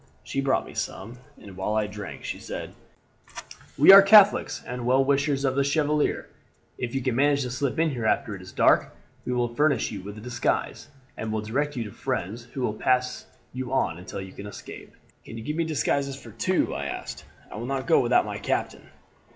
She brought me some, and while I drank she said: "'We are Catholics and well wishers of the Chevalier; if you can manage to slip in here after it is dark we will furnish you with a disguise, and will direct you to friends who will pass you on until you can escape. "'Can you give me disguises for two?' I asked. 'I will not go without my captain.'